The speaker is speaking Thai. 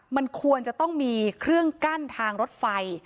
มันควรจะต้องมีเครื่องกั้นทางรถไฟ